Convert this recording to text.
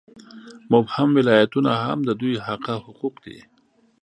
مبهم ولایتونه هم د دوی حقه حقوق دي.